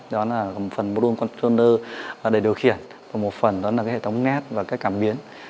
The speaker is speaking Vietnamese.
đó là phần module controller để điều khiển và một phần đó là hệ thống nét và các cảm biến